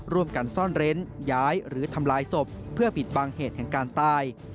ร่วมกันซ่อนเร้นย้ายหรือทำลายศพเพื่อปิดบังเหตุแห่งการตาย